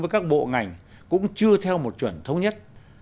với các bộ ngành cũng chưa theo một chuẩn thống nhất